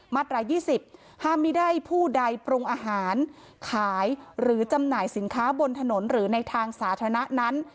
มาตราย๒๐ห้ามไม่ได้ผู้ใดปรุงอาหารขายหรือจำหน่ายสินค้าบนถนนหรือในทางสาธารณะนั้น